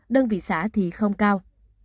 đơn vị xã thì không cao